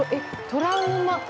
トラウマ？